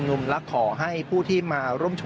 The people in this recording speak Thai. มาดูบรรจากาศมาดูความเคลื่อนไหวที่บริเวณหน้าสูตรการค้า